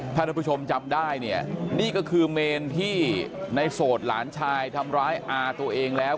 ท่านผู้ชมจำได้เนี่ยนี่ก็คือเมนที่ในโสดหลานชายทำร้ายอาตัวเองแล้ว